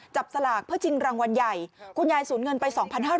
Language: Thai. สลากเพื่อชิงรางวัลใหญ่คุณยายสูญเงินไป๒๕๐๐